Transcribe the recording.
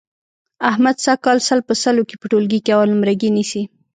احمد سږ کال سل په سلو کې په ټولګي کې اول نمرګي نیسي.